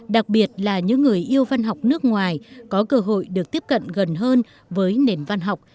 đặc biệt là những người yêu văn học nước ngoài có cơ hội được tiếp cận gần hơn với nền văn học